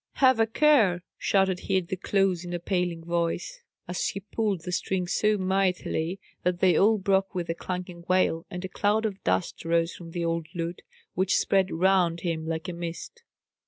"Have a care!" shouted he at the close in a pealing voice, as he pulled the strings so mightily that they all broke with a clanging wail, and a cloud of dust rose from the old lute, which spread round him like a mist.